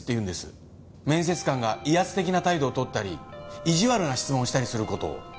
面接官が威圧的な態度を取ったり意地悪な質問をしたりする事を。